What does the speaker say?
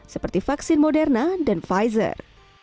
seperti vaksin moderna dan pfizer